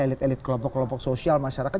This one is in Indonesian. elit elit kelompok kelompok sosial masyarakat